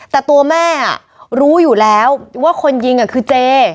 แต่ตัวแม่รู้อยู่แล้วว่าคนยิงคือเจ